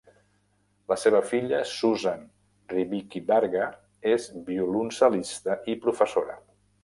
La seva filla Susan Rybicki-Varga és violoncel·lista i professora.